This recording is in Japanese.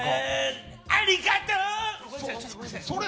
ありがとう！